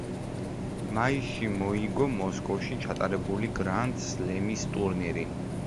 მაისში მოიგო მოსკოვში ჩატარებული გრანდ სლემის ტურნირი.